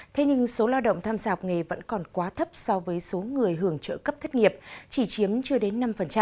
thế nhưng số lao động tham gia học nghề vẫn còn quá thấp so với số người hưởng trợ cấp thất nghiệp chỉ chiếm chưa đến năm